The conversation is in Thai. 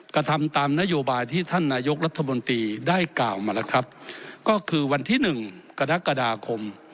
กระทำตามนโยบายที่ท่านนายกรัฐมนตรีได้กล่าวมาแล้วครับก็คือวันที่หนึ่งกรกฎาคม